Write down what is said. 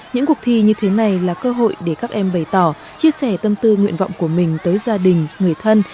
những cuộc thi như thế này là cơ hội để các em bày tỏ chia sẻ tâm tư nguyện vọng của mình tới gia đình người thân